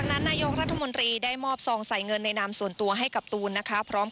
เราพูดเรามันไม่แน่นี่ครับคนไทยพูดแบบผลสัตว์